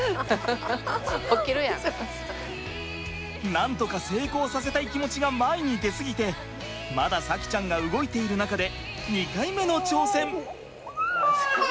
なんとか成功させたい気持ちが前に出過ぎてまだ咲希ちゃんが動いている中で２回目の挑戦。